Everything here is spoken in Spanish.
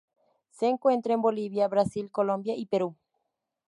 Se encuentra en Bolivia, Brasil, Colombia y Perú.